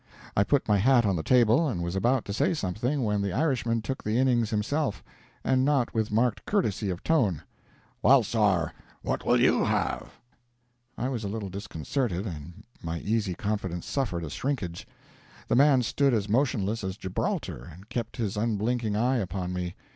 I put my hat on the table, and was about to say something, when the Irishman took the innings himself. And not with marked courtesy of tone: "Well, sor, what will you have?" I was a little disconcerted, and my easy confidence suffered a shrinkage. The man stood as motionless as Gibraltar, and kept his unblinking eye upon me.